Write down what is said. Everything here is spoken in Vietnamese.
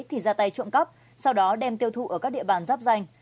thì ra tay trộm cắp sau đó đem tiêu thụ ở các địa bàn giáp danh